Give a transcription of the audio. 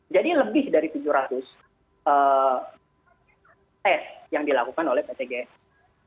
jadi lebih dari tujuh ratus tes yang dilakukan oleh pt gsi